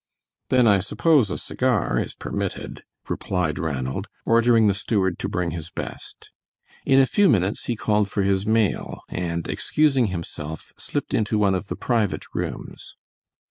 "Then I suppose a cigar is permitted," replied Ranald, ordering the steward to bring his best. In a few minutes he called for his mail, and excusing himself, slipped into one of the private rooms.